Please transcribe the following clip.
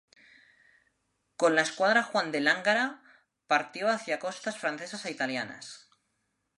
Con la escuadra Juan de Lángara partió hacia costas francesas e italianas.